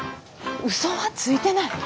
ウソはついてない。